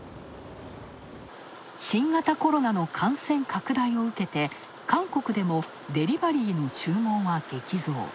新型コロナの感染拡大を受けて、韓国でもデリバリーの注文が激増。